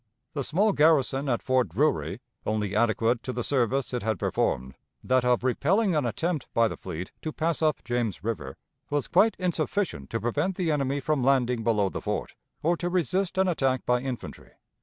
] The small garrison at Fort Drury, only adequate to the service it had performed, that of repelling an attempt by the fleet to pass up James River, was quite insufficient to prevent the enemy from landing below the fort, or to resist an attack by infantry.